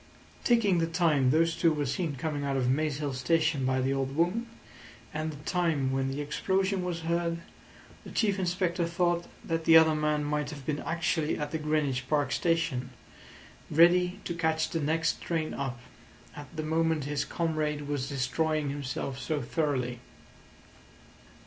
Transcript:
Taking the time those two were seen coming out of Maze Hill Station by the old woman, and the time when the explosion was heard, the Chief Inspector thought that the other man might have been actually at the Greenwich Park Station, ready to catch the next train up, at the moment his comrade was destroying himself so thoroughly.